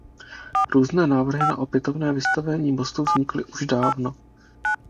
Různé návrhy na opětovné vystavění mostu vznikly už dávno.